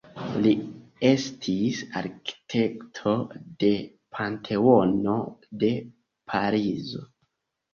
Li estis arkitekto de Panteono de Parizo.